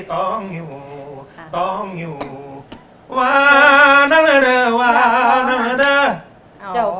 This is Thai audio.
ต้องอยู่ต้องอยู่ว้าวนั่งละเด้อว้าวนั่งละเด้อ